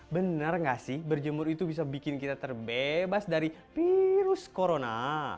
benar nggak sih berjemur itu bisa bikin kita terbebas dari virus corona